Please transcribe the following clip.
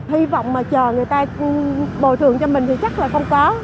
hy vọng mà chờ người ta bồi thường cho mình thì chắc là không có